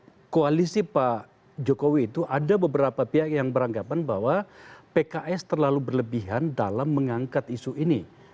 karena koalisi pak jokowi itu ada beberapa pihak yang beranggapan bahwa pks terlalu berlebihan dalam mengangkat isu ini